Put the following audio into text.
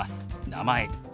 「名前」。